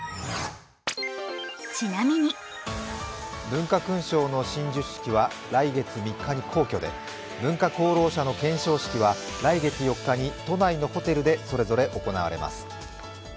文化勲章の親授式は来月３日に皇居で文化功労者の顕彰式は来月４日に都内のホテルでそれぞれ行われます。